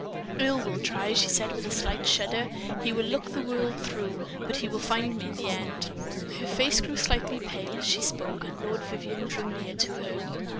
"Earle will try," she said, with a slight shudder. "He will look the world through, but he will find me in the end." Her face grew slightly pale as she spoke, and Lord Vivianne drew near to her.